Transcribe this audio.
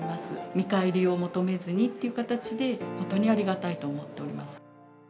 見返りを求めずにという形で、本当にありがたいと思っております。